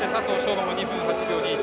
馬は２分８秒２１。